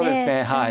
はい。